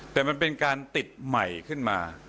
แต่มันเป็นการติดใหม่ขึ้นมา